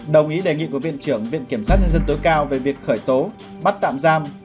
đồng ý đề nghị của viện trưởng viện kiểm sát nhân dân tối cao về việc khởi tố bắt tạm giam